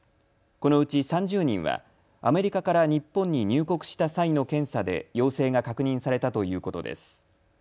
このうち３０人はアメリカから日本に入国した際の検査で陽性が確認されたということです。